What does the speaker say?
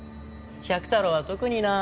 百太郎は特にな。